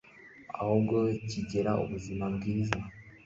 ahubwo kigira ubuzima bwiza,